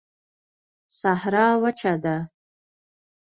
صحرا وچه ده